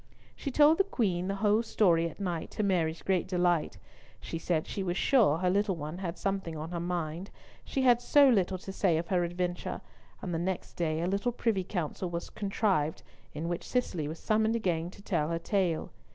She told the Queen the whole story at night, to Mary's great delight. She said she was sure her little one had something on her mind, she had so little to say of her adventure, and the next day a little privy council was contrived, in which Cicely was summoned again to tell her tale.